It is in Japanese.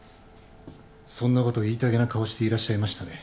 そんなことを言いたげな顔をしていらっしゃいましたね。